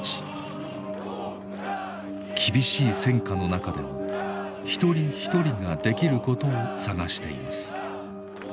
厳しい戦火の中でも一人一人ができることを探しています。